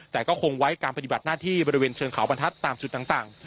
แต่ก็คงไว้การปฏิบัติหน้าที่บริเวณเชิงเขาบรรทัศน์ตามจุดต่าง